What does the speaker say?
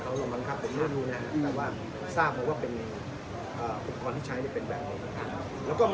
แต่ว่าที่ทราบผมว่าเป็นอุปกรณ์ที่ใช้เป็นแบบนี้